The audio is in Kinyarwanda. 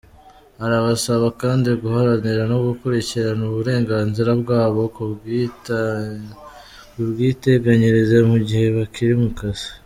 Arabasaba kandi guharanira no gukurikirana uburenganzira bwabo ku bwiteganyirize mu gihe bakiri mu kazi.